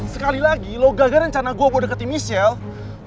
sekali lagi lo gagal rencana gue buat deketin michelle